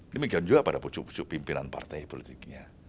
demikian juga pada pucuk pucuk pimpinan partai politiknya